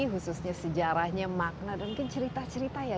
khususnya sejarahnya makna dan mungkin cerita cerita ya